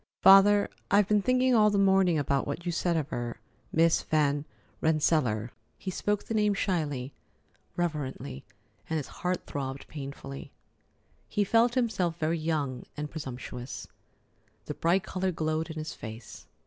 "Father, I've been thinking all the morning about what you said of her—Miss Van Rensselaer." He spoke the name shyly, reverently, and his heart throbbed painfully. He felt himself very young and presumptuous. The bright color glowed in his face.